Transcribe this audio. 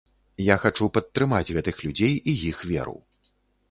Я хачу падтрымаць гэтых людзей і іх веру.